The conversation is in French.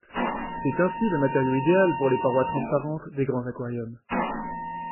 C'est ainsi le matériau idéal pour les parois transparentes des grands aquariums.